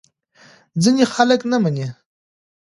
ځینې خلک نه مني.